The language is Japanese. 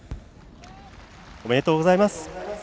おめでとうございます。